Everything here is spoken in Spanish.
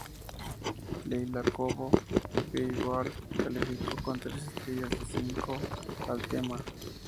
Leila Cobo de "Billboard" calificó con tres estrellas de cinco al tema.